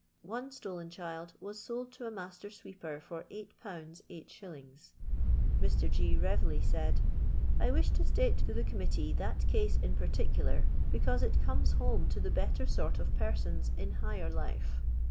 One stolen child was sold to a master sweeper for 8/. S«. Mr. Qc. Revely said :—" I wish to state to the Committee that case in particular, because it comes home to the better sort of persons in higher life.